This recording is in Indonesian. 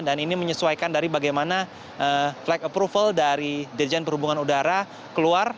dan ini menyesuaikan dari bagaimana flag approval dari dirjen perhubungan udara keluar